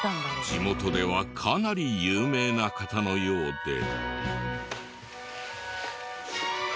地元ではかなり有名な方のようで。